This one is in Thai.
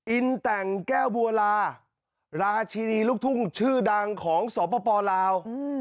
อินแต่งแก้วบัวลาราชินีลูกทุ่งชื่อดังของสปลาว